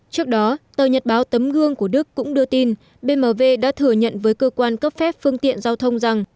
trước đó tờ nhật báo tấm gương của đức cũng đưa tin bmw đã thừa nhận với cơ quan cấp phép phương tiện giao thông rằng